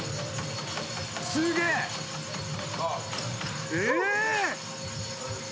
すげえ！